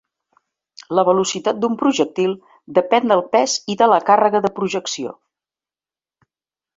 La velocitat d'un projectil depèn del pes i de la càrrega de projecció.